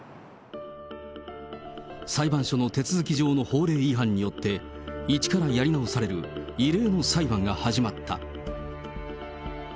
裁判所の手続き上の法令違反によって、一からやり直される異例の裁判が始まった。